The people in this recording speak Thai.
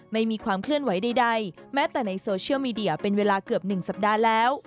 ไม่มีความเคลื่อนไหวใดแม้แต่ในโซเชียลมีเดียเป็นเวลาเกือบ๑สัปดาห์แล้ว